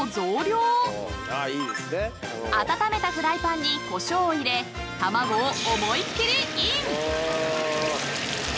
［温めたフライパンに胡椒を入れ卵を思いっ切りイン！］